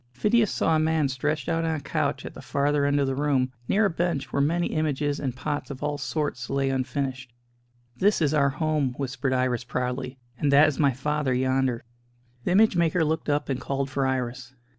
Phidias saw a man stretched out on a couch at the farther end of the room, near a bench where many images and pots of all sorts lay unfinished. "This is our home," whispered Iris proudly, "and that is my father yonder." The image maker looked up and called for Iris.